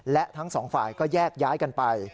และทั้งสองฝ่ายก็แยกย้ายกันไป